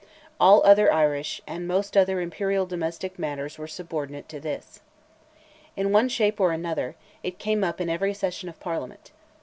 All other Irish, and most other imperial domestic questions were subordinate to this. In one shape or another, it came up in every session of Parliament.